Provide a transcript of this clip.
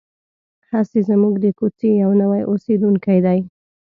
هسې زموږ د کوڅې یو نوی اوسېدونکی دی.